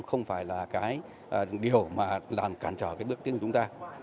không phải là cái điều mà làm cản trở cái bước tiến của chúng ta